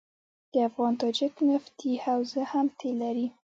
د افغان تاجک نفتي حوزه هم تیل لري.